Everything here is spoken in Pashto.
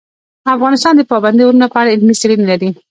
افغانستان د پابندی غرونه په اړه علمي څېړنې لري.